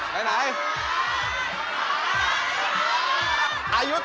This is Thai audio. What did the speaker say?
เสาคำยันอาวุธิ